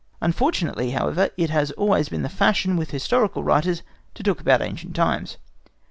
Unfortunately, however, it has always been the fashion with historical writers to talk about ancient times.